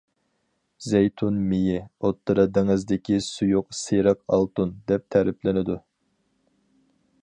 زەيتۇن مېيى «ئوتتۇرا دېڭىزدىكى سۇيۇق سېرىق ئالتۇن» دەپ تەرىپلىنىدۇ.